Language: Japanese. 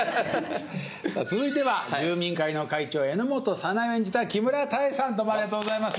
続いては住民会の会長榎本早苗を演じた木村多江さんどうもありがとうございます。